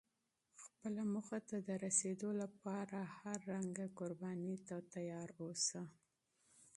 خپل هدف ته د رسېدو لپاره هر ډول قربانۍ ته چمتو اوسه.